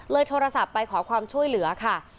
โทรศัพท์ไปขอความช่วยเหลือค่ะ